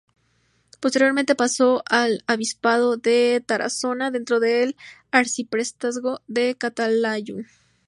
Posteriormente pasó al obispado de Tarazona dentro del arciprestazgo de Calatayud.